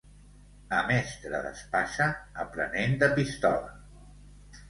A mestre d'espasa, aprenent de pistola.